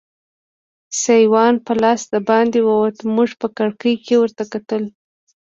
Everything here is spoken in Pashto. سایوان په لاس دباندې ووت، موږ په کړکۍ کې ورته کتل.